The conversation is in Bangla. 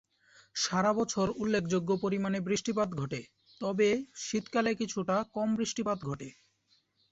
সারা বছর উল্লেখযোগ্য পরিমাণে বৃষ্টিপাত ঘটে, তবে শীতকালে কিছুটা কম বৃষ্টিপাত ঘটে।